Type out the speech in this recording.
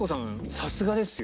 さすがですよ。